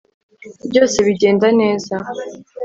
byose bigenda neza